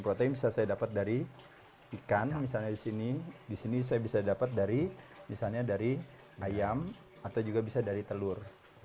protein bisa saya dapat dari ikan misalnya di sini di sini saya bisa dapat dari misalnya dari ayam atau juga bisa dari telur